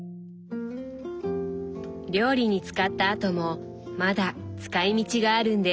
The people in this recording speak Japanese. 料理に使ったあともまだ使いみちがあるんです。